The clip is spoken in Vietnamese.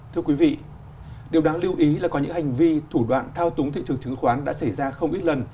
thưa quý vị điều đáng lưu ý là có những hành vi thủ đoạn thao túng thị trường chứng khoán đã xảy ra không ít lần